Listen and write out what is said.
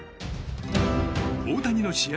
大谷の試合